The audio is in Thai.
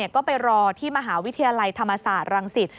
ก็ไปรอที่มหาวิทยาลัยธรรมศาสตร์รังสิต